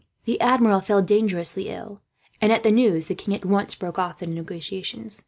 The Admiral fell dangerously ill and, at the news, the king at once broke off the negotiations.